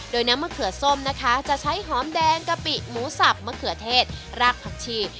โดยน้ำมะเขือส้มนะคะจะใช้หอมแดงกะปิหมูสับมะเขือเทศรากผักชี